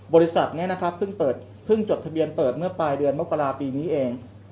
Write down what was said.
บริษัทนี้นะครับเพิ่งจดทะเบียนเปิดเมื่อปลายเดือนมกราปีนี้เอง